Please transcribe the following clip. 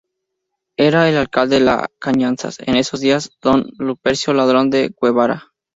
Era el alcalde de Cañazas en esos días don Lupercio Ladrón de Guevara.